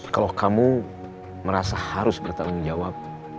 kalau kamu merasa harus bertanggung jawab